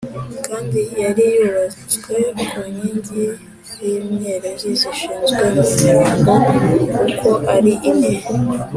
Kandi yari yubatswe ku nkingi z’imyerezi zishinzwe mu mirongo uko ari ine